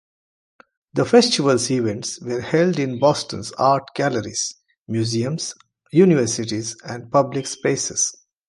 The festival's events were held in Boston's art galleries, museums, universities, and public spaces.